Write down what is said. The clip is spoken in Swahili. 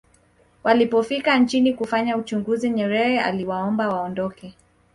walipofika nchini kufanya uchunguzi nyerere aliwaomba waondoke